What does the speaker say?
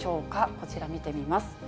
こちら見てみます。